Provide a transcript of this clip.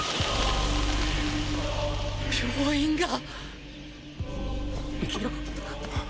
病院が。